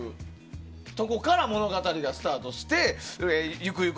そこから物語がスタートしてゆくゆく